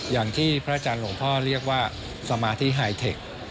อย่างที่พระอาจารย์หลวงพ่อเรียกว่าสมาธิไฮเทค